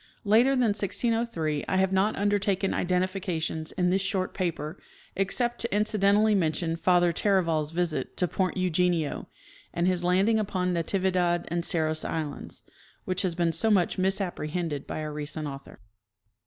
Later than 1603 I have not undertaken identifications in this short paper, except to inci dentally mention Father Taraval's visit to point Eugenio, and his landing upon Natividad and Cerros islands, which has been so much misapprehended by a recent author.